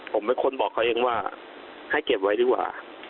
ผมเป็นคนบอกเขาเองว่าให้เก็บไว้ดีกว่า